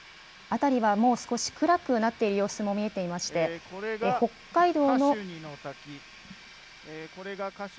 辺りはもう少し暗くなっている様子も見えていまして、北海道の。